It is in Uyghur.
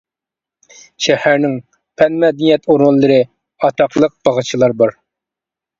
شەھەرنىڭ پەن-مەدەنىيەت ئورۇنلىرى، ئاتاقلىق باغچىلار بار.